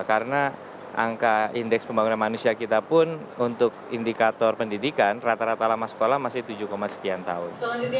karena angka indeks pembangunan manusia kita pun untuk indikator pendidikan rata rata lama sekolah masih tujuh sekian tahun